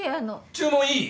注文いい？